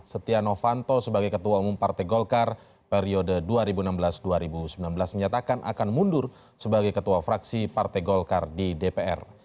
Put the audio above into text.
setia novanto sebagai ketua umum partai golkar periode dua ribu enam belas dua ribu sembilan belas menyatakan akan mundur sebagai ketua fraksi partai golkar di dpr